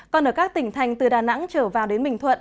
còn ở các tỉnh thành từ đà nẵng trở vào đến bình thuận